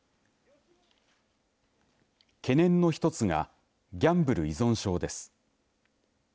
懸念の一つがギャンブル依存症です。